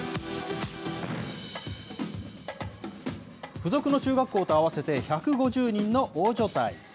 付属の中学校と合わせて１５０人の大所帯。